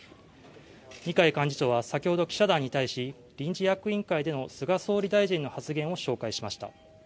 二階幹事長は先ほど記者団に対し臨時役員会での菅総理大臣の発言を紹介しました。